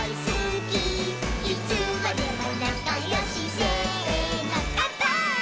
「いつまでもなかよしせーのかんぱーい！！」